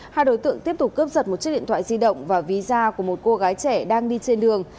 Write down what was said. hai đối tượng tiếp tục cướp giật một chiếc điện thoại di động và ví da của một cô gái trẻ đang đi trên đường